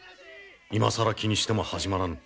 今更気にしても始まらぬ。